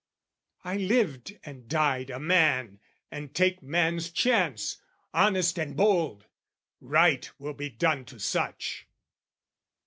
I lived and died a man, and take man's chance, Honest and bold: right will be done to such.